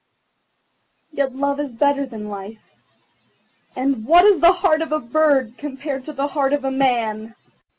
Yet Love is better than Life, and what is the heart of a bird compared to the heart of a man?"